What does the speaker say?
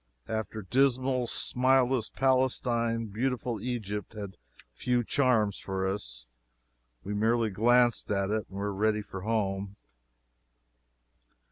After dismal, smileless Palestine, beautiful Egypt had few charms for us. We merely glanced at it and were ready for home.